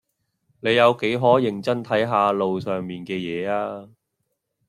你有幾可認真睇下路上面嘅嘢吖